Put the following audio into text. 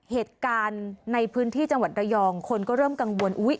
เหตุการณ์ในพื้นที่จังหวัดระยองคนก็เริ่มกังวลอุ้ย